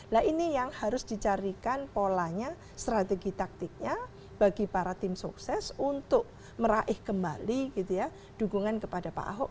nah ini yang harus dicarikan polanya strategi taktiknya bagi para tim sukses untuk meraih kembali gitu ya dukungan kepada pak ahok